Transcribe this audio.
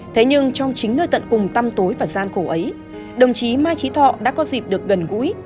thế nhưng trong chính nơi tận cùng tăm tối và gian khổ ấy đồng chí mai trí thọ đã có dịp được gần gũi